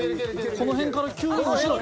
［この辺から急に後ろに。